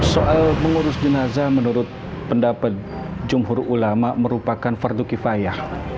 soal mengurus jenazah menurut pendapat jumhur ulama merupakan verduki fayah